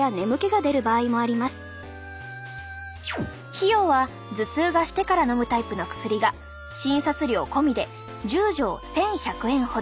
費用は頭痛がしてから飲むタイプの薬が診察料込みで１０錠１，１００円ほど。